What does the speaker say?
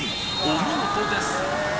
お見事です